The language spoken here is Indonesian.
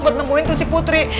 buat nemuin tuh si putri